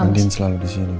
andin selalu disini ma